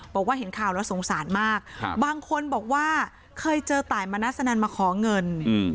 บอกว่าเห็นข่าวแล้วสงสารมากบางคนบอกว่าเคยเจอตายมณสนันมาขอเงิน